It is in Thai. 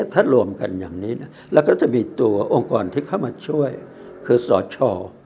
ถ้ารวมกันอย่างนี้แล้วก็จะมีตัวองค์กรที่เข้ามาช่วยคือสช